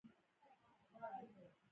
خلک هلته په ارامۍ سفر کوي.